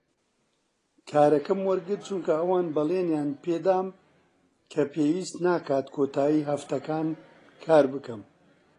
کارەکەم وەرگرت چونکە ئەوان بەڵێنیان پێ دام کە پێویست ناکات کۆتایی هەفتەکان کار بکەم.